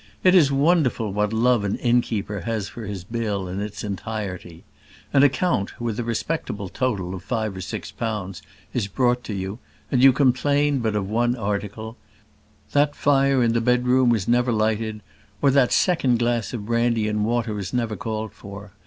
It is wonderful what love an innkeeper has for his bill in its entirety. An account, with a respectable total of five or six pounds, is brought to you, and you complain but of one article; that fire in the bedroom was never lighted; or that second glass of brandy and water was never called for.